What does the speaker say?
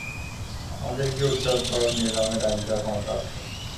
আমাদের কি উচ্চতর নিলামে ডাক দেওয়ার ক্ষমতা আছে?